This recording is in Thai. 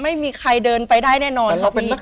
ไม่มีใครเดินไปได้แน่นอน